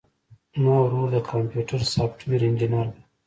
زما ورور د کمپيوټر سافټوېر انجينر دی.